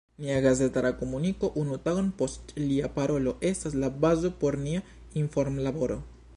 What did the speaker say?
Nia gazetara komuniko unu tagon post lia parolo estas la bazo por nia informlaboro.